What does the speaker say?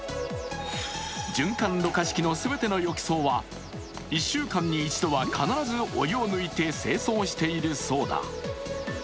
循環ろ過式の全ての浴槽は１週間に１回は必ずお湯を抜いて清掃しているそうだ。